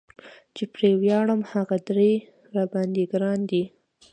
چې پرې وياړم هغه درې را باندي ګران دي